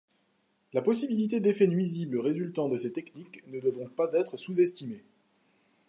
La possibilité d'effets nuisibles résultant de ces techniques ne doit donc pas être sous-estimée.